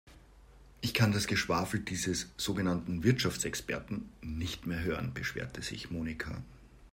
Ich kann das Geschwafel dieses sogenannten Wirtschaftsexperten nicht mehr hören, beschwerte sich Monika.